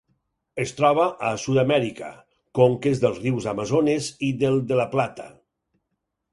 Es troba a Sud-amèrica: conques dels rius Amazones i del de la Plata.